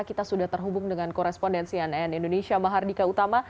kita sudah terhubung dengan korespondensi ann indonesia mahardika utama